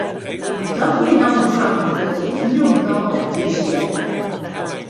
Dat wie no in famke dat hjir hielendal net thúshearde.